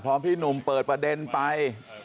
พอพี่หนุ่มเปิดประเด็นไป